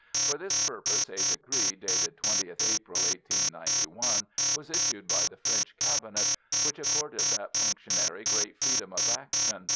For this purpose a decree, dated 20th April, 1891, was issued by the French Cabinet, which accorded that functionary great freedom of action.